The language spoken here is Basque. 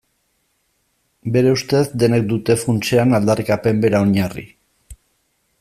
Bere ustez denek dute funtsean aldarrikapen bera oinarri.